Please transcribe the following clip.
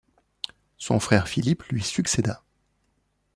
Son frère Philippe lui succéda.